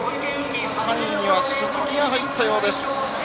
３位には鈴木が入ったようです。